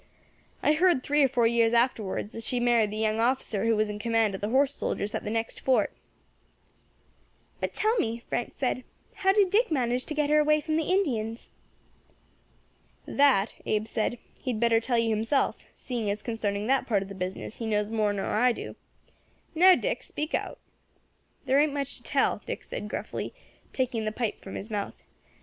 I heard, three or four years afterwards, as she married the young officer who was in command of the horse soldiers at the next fort." "But tell me," Frank said, "how did Dick manage to get her away from the Indians?" "That," Abe said, "he'd better tell you himself, seeing as concerning that part of the business he knows more nor I do. Now, Dick, speak out." "There ain't much to tell," Dick said gruffly, taking the pipe from his mouth.